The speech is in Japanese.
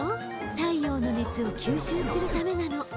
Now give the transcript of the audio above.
太陽の熱を吸収するためなの。